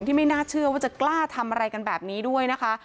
ไม่น่าเชื่อว่าจะกล้าทำอะไรกันแบบนี้ด้วยนะคะ